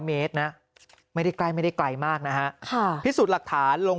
เมตรนะไม่ได้ใกล้ไม่ได้ไกลมากนะฮะค่ะพิสูจน์หลักฐานลง